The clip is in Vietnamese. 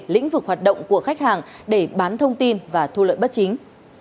lĩnh vực hoạt động của khách hàng để bán thông tin và thu lợi bất chính